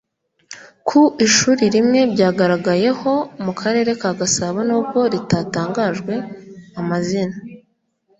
Ku ishuri rimwe byagaragayeho mu karere ka Gasabo nubwo ritatangajwe amazina